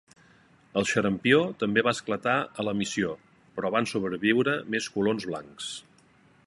El xarampió també va esclatar a la Missió, però van sobreviure més colons blancs.